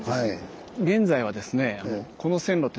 現在はですね